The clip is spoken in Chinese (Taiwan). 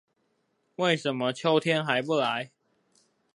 為什麼秋天還不來